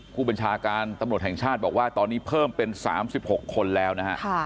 ผู้บัญชาการตำรวจแห่งชาติบอกว่าตอนนี้เพิ่มเป็น๓๖คนแล้วนะฮะ